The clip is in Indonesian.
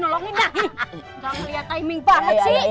kagak melihat timing banget sih